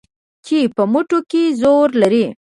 چې په مټو کې زور لري